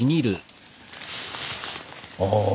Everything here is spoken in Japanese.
ああ。